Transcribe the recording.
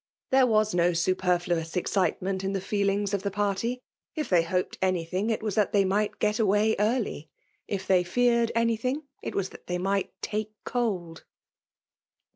There itBA'im swpefdiisovM exciteaient in the fbeMngs of ihd paorty: if thej hoped anything, it xras that they might get away early— tf they ietired aiiythtng, it was that they might take eold.